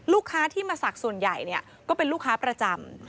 ลูกค้าที่มาศักดิ์ส่วนใหญ่ก็เป็นลูกค้าประจำ